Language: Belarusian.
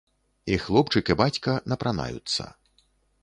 І хлопчык і бацька напранаюцца.